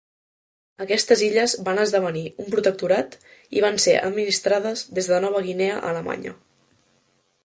Aquestes illes van esdevenir un protectorat i van ser administrades des de Nova Guinea Alemanya.